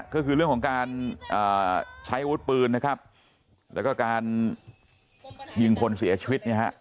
ก็คือเรื่องของการใช้อาวุธปืนนะครับแล้วก็การยิงคนเสียชีวิตเนี่ยฮะ